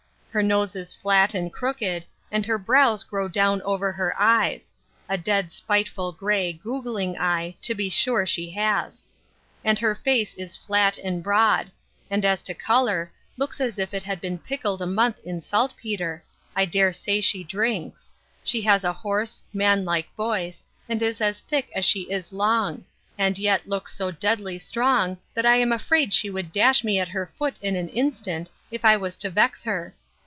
Her nose is flat and crooked, and her brows grow down over her eyes; a dead spiteful, grey, goggling eye, to be sure she has. And her face is flat and broad; and as to colour, looks like as if it had been pickled a month in saltpetre: I dare say she drinks:—She has a hoarse, man like voice, and is as thick as she is long; and yet looks so deadly strong, that I am afraid she would dash me at her foot in an instant, if I was to vex her.